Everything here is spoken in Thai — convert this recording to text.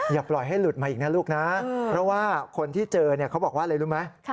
อย่าปล่อยให้หลุดมาอีกนะลูกนะเพราะว่าคนที่เจอเขาบอกว่าอะไรรู้ไหม